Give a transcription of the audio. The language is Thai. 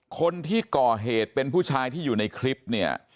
คนที่ก่อเหตุเป็นผู้ชายที่อยู่ในคลิปเนี่ย